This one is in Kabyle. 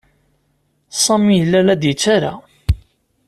Sami yella la d-yettarra.